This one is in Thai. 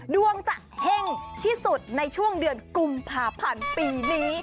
ดวงจะเฮ่งที่สุดในช่วงเดือนกุมภาพันธ์ปีนี้